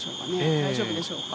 大丈夫でしょうか。